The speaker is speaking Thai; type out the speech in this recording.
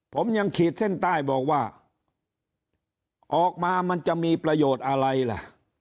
ผมยังขีดเส้นใต้บอกว่าออกมามันจะมีประโยชน์อะไรล่ะ